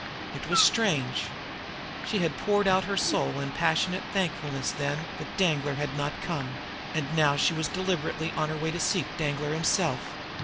It was strange! She had poured out her soul in passionate thankfulness then that Danglar had not come and now she was deliberately on her way to seek Danglar himself!